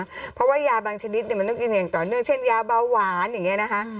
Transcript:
เพราะว่ายาบางชนิดมันต้องกินอย่างต่อเนื่องเช่นยาเบาหวานอย่างนี้นะคะ